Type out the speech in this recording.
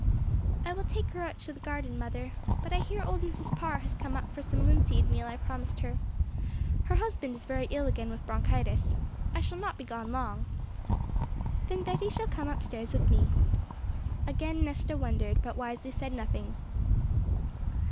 'I will take her out into the garden, mother. But I hear old Mrs. Parr has come up for some linseed meal I promised her. Her husband is very ill again with bronchitis. I shall not be gone long.' 'Then Betty shall come upstairs with me.' Again Nesta wondered, but wisely said nothing.